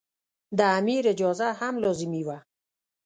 د امیر اجازه هم لازمي وه.